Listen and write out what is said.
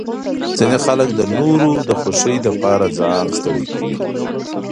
ځینې خلک د نورو د خوښۍ لپاره ځان ستړی کوي.